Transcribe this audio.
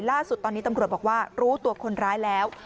ล่าสุดตอนนี้ตำรวจบอกว่ารู้ตัวคนร้ายแล้ว